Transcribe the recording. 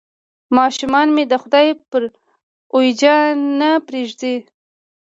ماشومان مې د خدای پر اوېجه نه پرېږدي.